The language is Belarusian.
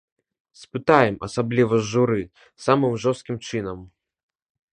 Спытаем, асабліва з журы, самым жорсткім чынам.